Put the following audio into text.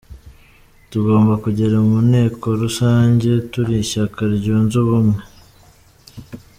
Tugomba kugera mu nteko rusange turi ishyaka ryunze ubumwe.